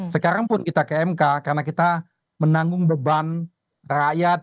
sekarang pun kita ke mk karena kita menanggung beban rakyat